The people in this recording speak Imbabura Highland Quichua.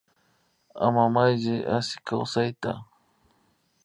Ama Mayllay Asi kawsayta